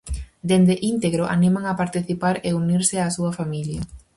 Dende Íntegro animan a participar e unirse á súa familia.